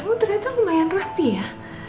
oh ternyata lumayan rapi ya